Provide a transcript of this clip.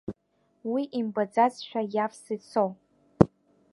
Уи имбаӡазшәа иавс ицо.